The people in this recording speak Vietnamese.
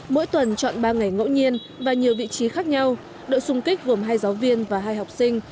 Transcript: mỗi tuần chọn ba ngày ngẫu nhiên và nhiều vị trí khác nhau đội xung kích gồm hai giáo viên và hai học sinh